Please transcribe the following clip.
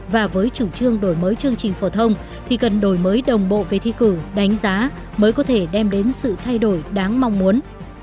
và với chủ trương đổi mới chương trình phổ thông thì cần đổi mới đồng bộ về thi cử đánh giá mới có thể đem đến sự thay đổi đáng mong muốn